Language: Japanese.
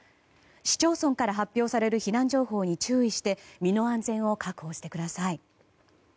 市町村から発表される避難情報に注意して身の安全を確保してください。